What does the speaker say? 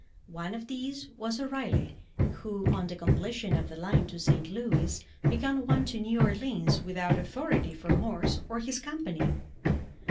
One of these was O Reilly, who, on the completion of the line to St. Louis, began one to Now Orleans, without authority from Morse or his company.